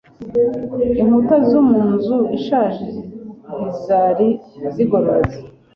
Inkuta zo mu nzu ishaje ntizari zigororotse.